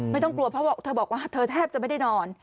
ไม่ต้องกลัวเพราะเธอบอกว่าเธอแทบจะไม่ได้นอน